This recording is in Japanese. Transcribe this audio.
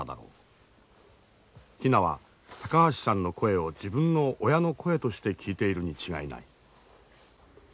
ヒナは高橋さんの声を自分の親の声として聞いているに違いない。